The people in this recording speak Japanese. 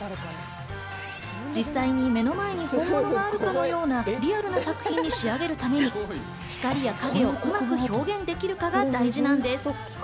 実際に目の前に黒板があるかのようなリアルな作品に仕上げるために光や影をうまく表現できるかが大事なんです。